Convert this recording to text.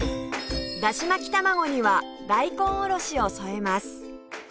だし巻き卵には大根おろしを添えます